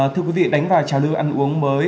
thưa quý vị đánh vào trào lưu ăn uống mới